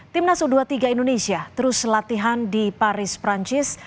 timnas u dua puluh tiga indonesia terus latihan di paris perancis